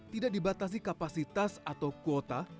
tidak dibatasi kapasitas atau kuota